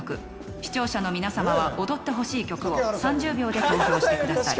視聴者の皆さまは踊ってほしい曲を３０秒で投票してください。